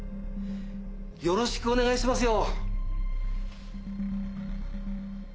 よろしくお願いしますよ。